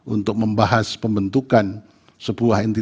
untuk membahas pembentukan sebuah institusi